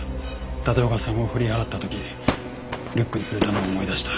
立岡さんを振り払った時リュックに触れたのを思い出した。